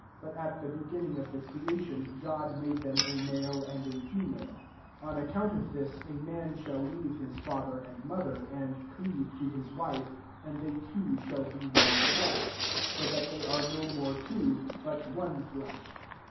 6 But at Ae beginning of the creation €rod made them a male and a feoMile* 7 ' On account of this* a a^aa shall leave his fathw and mo* ther, and cleave to h\& wife; and they two shall be one flesh*' 8 So that they are no more two; but one flesh.